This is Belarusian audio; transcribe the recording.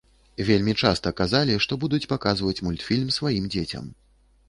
Вельмі часта казалі, што будуць паказваць мультфільм сваім дзецям.